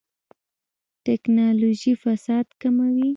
ټکنالوژي فساد کموي